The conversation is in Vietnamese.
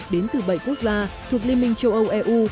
đến từ bảy quốc gia thuộc liên minh châu âu eu